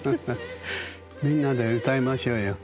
みんなで歌いましょうよ。